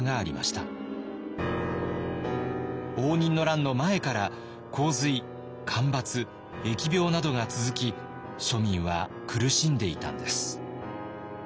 応仁の乱の前から洪水干ばつ疫病などが続き庶民は苦しんでいたんです。